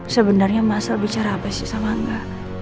sebenarnya mas al bicara apa sih sama angga